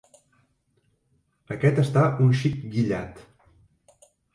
Aquest està un xic guillat.